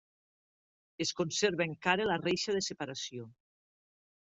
Es conserva encara la reixa de separació.